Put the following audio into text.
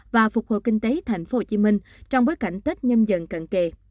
và phục hồi kinh tế tp hcm trong bối cảnh tết nhâm dần cận kề